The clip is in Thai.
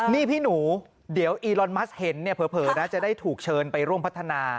นี่พี่หนูเดี๋ยวอีลอนมัสเห็นเนี่ยเผลอนะจะได้ถูกเชิญไปร่วมพัฒนา